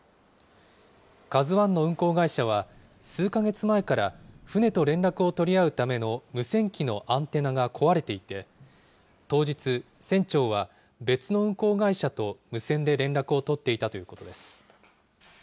ＫＡＺＵＩの運航会社は、数か月前から、船と連絡を取り合うための無線機のアンテナが壊れていて、当日、船長は別の運航会社と無線で連絡を取っていたということです。